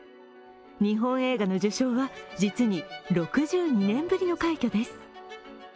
日本映画の受賞は実に６２年ぶりの快挙です。